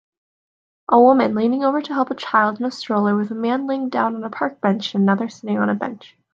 A woman leaning over to help a child in a stroller with a man laying down on a park bench and another sitting on a bench